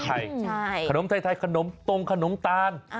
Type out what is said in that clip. ขนมไทยขนมตรงขนมตาล